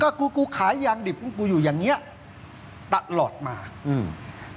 ก็กูกูขายยางดิบของกูอยู่อย่างเงี้ยตลอดมาอืม